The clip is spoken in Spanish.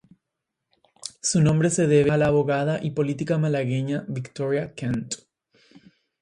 Su nombre se debe a la abogada y política malagueña Victoria Kent.